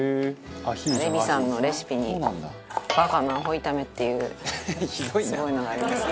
レミさんのレシピにバカのアホ炒めっていうすごいのがありますね。